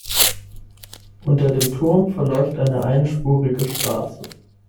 Unter dem Turm verläuft eine einspurige Straße.